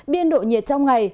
biên độ nhiệt trong ngày